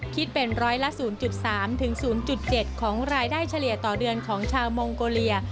คิดเป็นร้อยละ๐๓๐๗ของรายได้เฉลี่ยต่อเดือนของชาวมองโกเลีย